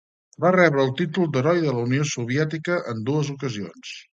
Va rebre el títol d'Heroi de la Unió Soviètica en dues ocasions.